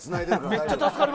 めっちゃ助かる。